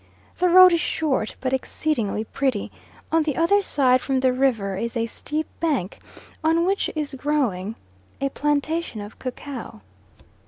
The road is short, but exceedingly pretty; on the other side from the river is a steep bank on which is growing a plantation of cacao.